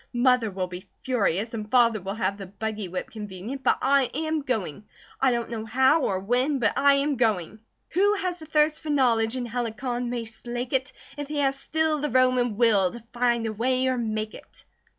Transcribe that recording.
Mother will be furious and Father will have the buggy whip convenient; but I am going! I don't know how, or when, but I am GOING. "Who has a thirst for knowledge, in Helicon may slake it, If he has still, the Roman will, to find a way, or make it."